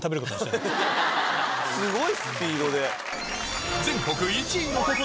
すごいスピードで。